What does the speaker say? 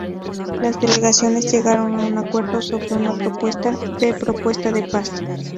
Las delegaciones llegaron a un acuerdo sobre una propuesta de propuesta de paz.